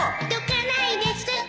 どかないです